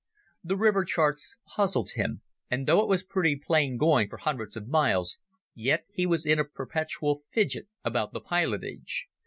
The river charts puzzled him, and though it was pretty plain going for hundreds of miles, yet he was in a perpetual fidget about the pilotage.